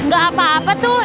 gak apa apa tuh